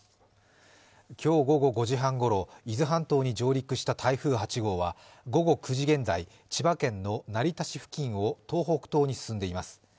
今日午後５時半ごろ、伊豆半島に上陸した台風８号は午後９時現在、千葉県の成田市付近を東北東に進んでいます。